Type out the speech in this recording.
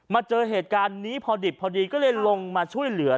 เจอเหตุการณ์นี้พอดิบพอดีก็เลยลงมาช่วยเหลือ